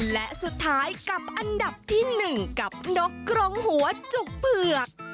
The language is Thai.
และสุดท้ายกับอันดับที่๑กับนกกรงหัวจุกเผือก